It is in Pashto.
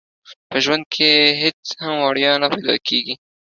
په ژوند کې هيڅ هم وړيا نه پيدا کيږي.